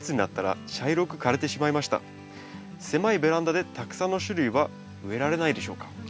「狭いベランダでたくさんの種類は植えられないでしょうか？」。